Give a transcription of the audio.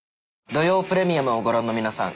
『土曜プレミアム』をご覧の皆さん